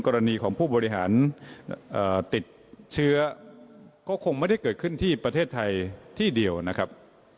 กรณีของผู้บริหารติดเชื้อก็คงไม่ได้เกิดขึ้นที่ประเทศไทยที่เดียวนะครับ